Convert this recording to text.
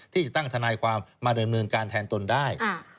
ที่จะตั้งทนายความมาเดิมเนินการแทนตนได้